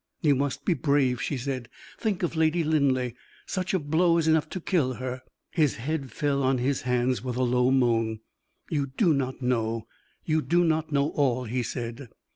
You must be brave," she said. "Think of Lady Linleigh. Such a blow is enough to kill her." His head fell on his hands, with a low moan. "You do not know you do not know all," he said.